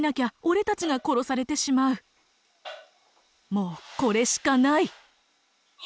もうこれしかない！」。